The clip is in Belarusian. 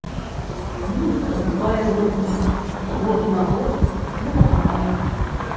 Музыка бывае рознаю, год на год не пападае.